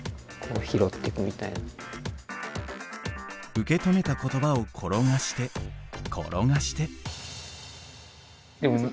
受け止めた言葉を転がして転がして。